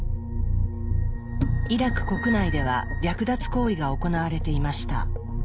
イラク国内では略奪行為が行われていました。